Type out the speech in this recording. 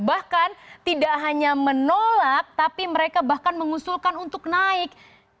bahkan tidak hanya menolak tapi mereka bahkan mengusulkan untuk naik